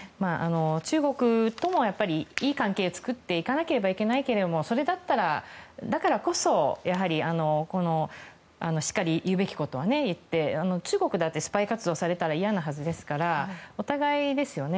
中国ともいい関係を作っていかなければいけないけどそれだったらだからこそ言うべきことは言って中国だってスパイ活動されたら嫌なはずですからお互いですよね。